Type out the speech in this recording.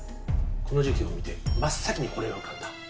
この事件を見て真っ先にこれが浮かんだ。